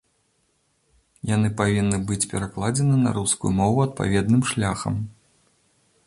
Яны павінны быць перакладзеныя на рускую мову адпаведным шляхам.